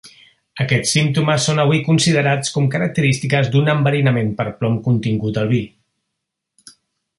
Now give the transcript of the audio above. Aquests símptomes són avui considerats com característiques d'un enverinament per plom contingut al vi.